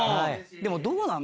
でもどうなの？